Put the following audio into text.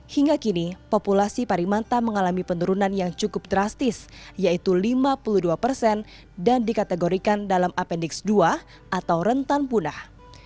hingga kini populasi parimanta mengalami penurunan yang cukup drastis yaitu lima puluh dua persen dan dikategorikan dalam apendex dua atau rentan punah